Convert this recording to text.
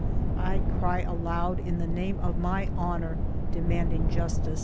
I cry aloud, in the name of my honor, demanding justice.